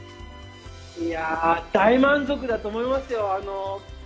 いや、大満足だと思いますよ。